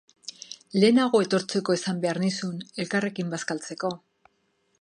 Lehenago etortzeko esan behar nizun, elkarrekin bazkaltzeko.